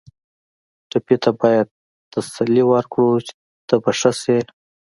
ټپي ته باید تسل ورکړو چې ته به ښه شې.